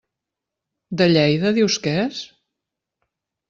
De Lleida dius que és?